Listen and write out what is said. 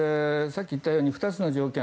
さっき言ったように２つの条件